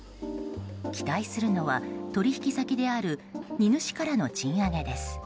期待するのは取引先である荷主からの賃上げです。